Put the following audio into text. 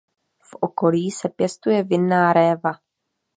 V okolí se pěstuje vinná réva.